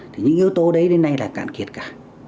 thì những yếu tố đấy đến nay là cạn kiệt cả